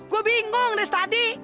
gue bingung dari tadi